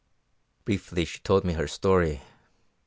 "Briefly she told me her story.